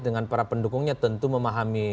dengan para pendukungnya tentu memahami